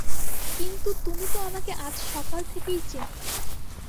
কিন্তু তুমি তো আমাকে আজ সকাল থেকেই চেনো।